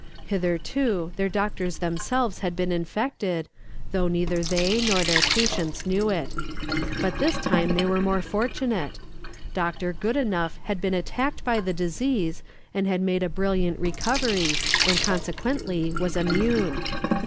Hitherto, their doctors themselves had been infected, though neither they nor their patients knew it. But this time they were more fortunate; Dr. Goodenough had been attacked by the disease, had made a brilliant recovery, and consequently was immune.